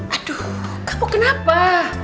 aduh kamu kenapa